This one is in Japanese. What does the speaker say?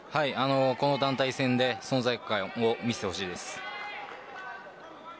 この団体戦で存在感を見せてほしいです。